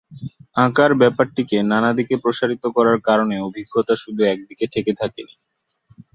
আঁকার ব্যাপারটিকে নানা দিকে প্রসারিত করার কারণে অভিজ্ঞতা শুধু একদিকে ঠেকে থাকেনি।